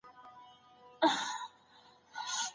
هغوی خپل ځانونه د امت خادمان ګڼل او ساده ژوند یې کاوه.